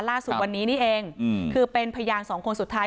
ล่าสุดวันนี้นี่เองคือเป็นพยานสองคนสุดท้าย